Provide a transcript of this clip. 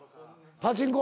パチンコ。